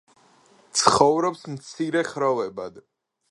ცხოვრობს მცირე ხროვებად.